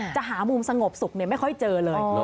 หามุมสงบสุขไม่ค่อยเจอเลย